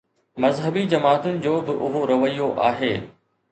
مذهبي جماعتن جو به اهو رويو آهي.